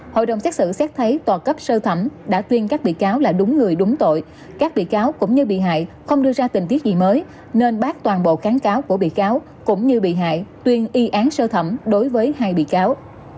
hội đồng xét xử xét thấy tòa cấp sơ thẩm đã tuyên các bị cáo là đúng người đúng tội các bị cáo cũng như bị hại không đưa ra tình tiết gì mới nên bác toàn bộ kháng cáo của bị cáo cũng như bị hại tuyên y án sơ thẩm đối với hai bị cáo